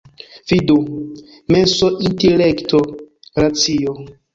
Vidu: menso, intelekto, racio.